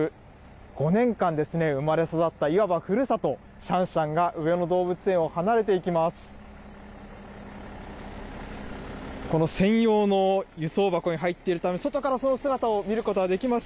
５年間ですね、生まれ育ったいわばふるさと、シャンシャンが上野動物園を離れていきます。